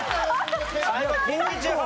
最後近畿地方。